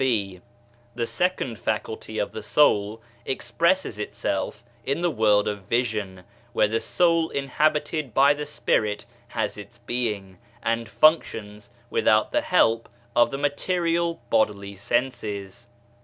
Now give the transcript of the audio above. (b) The second faculty of the soul expresses itself in the world of vision, where the soul inhabited by the spirit has its being, and functions without the help of the material bodily senses.